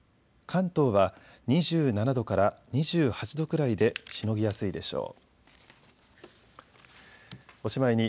関東は２７度から２８度くらいでしのぎやすいでしょう。